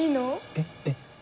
えっえっ。